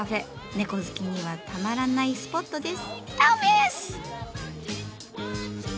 猫好きにはたまらないスポットです。